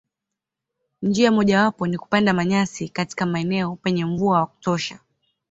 Njia mojawapo ni kupanda manyasi katika maeneo penye mvua wa kutosha.